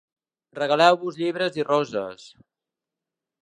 Regaleu-vos llibres i roses.